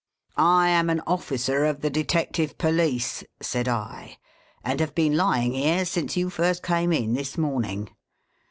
"' I am an officer of the Detective Police,' said I, ' and have been lying here, since you first came in this morning.